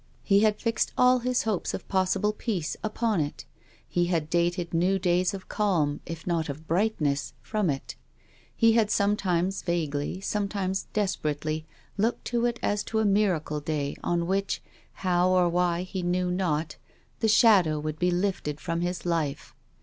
He had fixed all his hopes of possible peace upon it. He had dated new days of calm, if not of brightness, from it. He had sometimes vaguely, sometimes desperately, looked to it as to a miracle day, on which — how or why he knew not — the shadow would be lifted from his life.